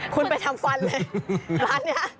คุณไปทำฟันเลย